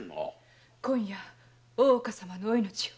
今夜大岡様のお命を。